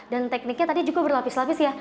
dan tekniknya tadi juga berlapis lapis ya